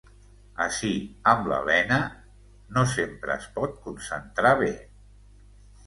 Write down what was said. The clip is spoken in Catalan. Ací, amb l’Elena... no sempre es pot concentrar bé.